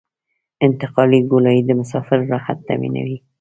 انتقالي ګولایي د مسافرو راحت تامینوي